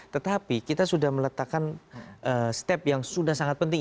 tetapi kita sudah meletakkan step yang sudah sangat penting